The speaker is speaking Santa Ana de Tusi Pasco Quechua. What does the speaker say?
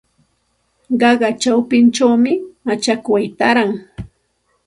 Qaqa chawpinchawmi machakway taaran.